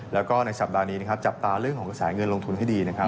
แล้วก็ในสัปดาห์นี้นะครับจับตาเรื่องของกระแสเงินลงทุนให้ดีนะครับ